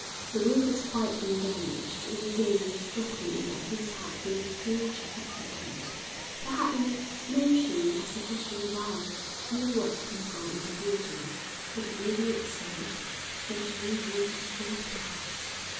The roof was quite undamaged; and again it struck me that this had been a strange accident. There had been an explosion of sufficient violence to kill workpeople in the building, but the building itself showed no wounds or scars.